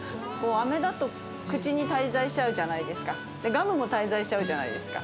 あめだと口に滞在しちゃうじゃないですか、ガムも滞在しちゃうじゃないですか。